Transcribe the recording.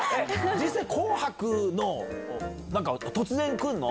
実際、紅白の、なんか、突然来るの？